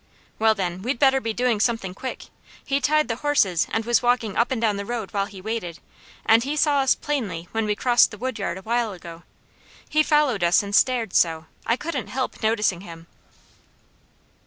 "Well, then, we'd better be doing something quick. He tied the horses and was walking up and down the road while he waited, and he saw us plainly when we crossed the wood yard a while ago. He followed us and stared so, I couldn't help noticing him."